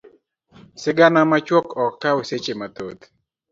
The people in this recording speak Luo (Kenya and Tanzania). Sigana machuok ok kaw seche mathoth.